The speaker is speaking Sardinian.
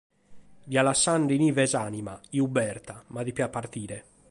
Fiat lassende in ie s’ànima, chi fiat Berta; ma depiat partire.